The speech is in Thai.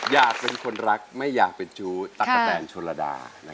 อยากเป็นคนรักไม่อยากเป็นชู้ตั๊กกะแตนชนระดา